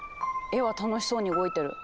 絵は楽しそうに動いてる。